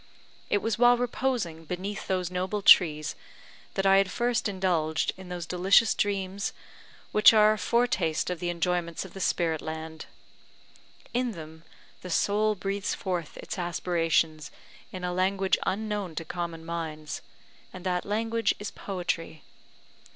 It was while reposing beneath those noble trees that I had first indulged in those delicious dreams which are a foretaste of the enjoyments of the spirit land. In them the soul breathes forth its aspirations in a language unknown to common minds; and that language is Poetry.